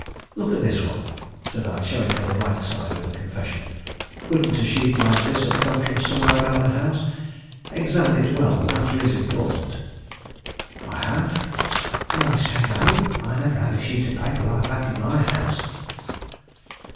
Look at this one," said I, showing her the blank side of the confession. "Couldn't a sheet like this have come from somewhere about the house? Examine it well; the matter is important." "I have, and I say, no, I never had a sheet of paper like that in my house."